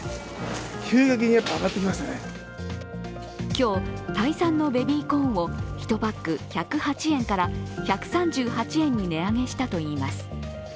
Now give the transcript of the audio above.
今日、タイ産のベビーコーンを１パック１０８円から１３８円に値上げしたといいます。